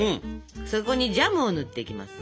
そこにジャムを塗っていきます。